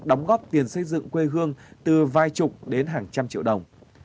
đóng góp tiền xây dựng quê hương từ vài chục đến hàng trăm triệu đồng